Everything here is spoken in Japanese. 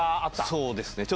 そうですね。